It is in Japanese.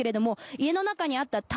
家の中にあった棚